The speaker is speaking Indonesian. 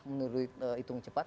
kita harus menghitung cepat